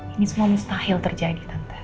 ini semua mustahil terjadi